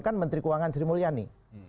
ini dari menteri keuangan sri mulyani